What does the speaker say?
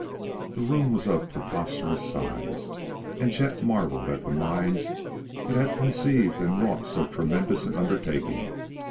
The room was of preposterous size, and Chet marveled at the minds that had conceived and wrought so tremendous an undertaking.